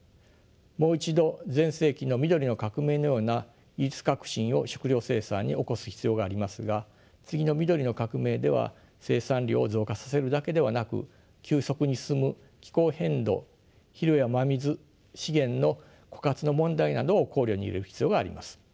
もう一度前世紀の緑の革命のような技術革新を食糧生産に起こす必要がありますが次の緑の革命では生産量を増加させるだけではなく急速に進む気候変動肥料や真水資源の枯渇の問題などを考慮に入れる必要があります。